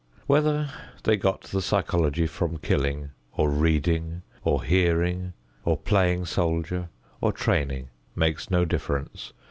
Whether they got the psychology from killing or reading or hearing or playing soldier or training makes no difference.